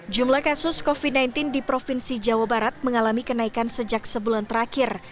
jumlah kasus covid sembilan belas di provinsi jawa barat mengalami kenaikan sejak sebulan terakhir